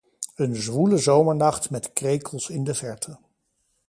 Een zwoele zomernacht met krekels in de verte.